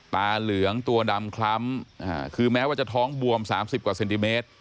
ตาเหลืองตัวดำคล้ำคือแม้ว่าจะท้องบวม๓๐กว่าเซนติเมตร